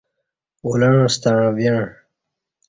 اولݩع ستݩع ویݩع ۔